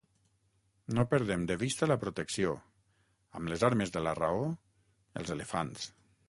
No perdem de vista la protecció, amb les armes de la raó, els elefants.